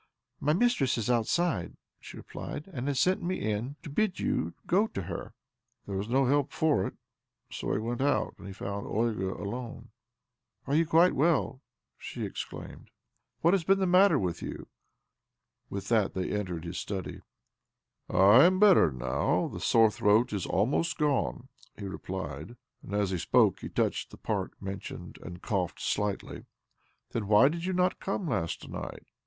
" My mistress is outside," she replied, " and has sent me in to bid you go to her." There was no help for it, so he went out, and found Olga alone. "Are you quite well?" she exclaimed. " What has been the matter with you ?" With that they entered his study. " I am better now — the sore throat is 220 OBLOMOV almost gone," he replied ; and as he spoke he touched the part mentioned, and coughed slightly. " Then why did you not come last night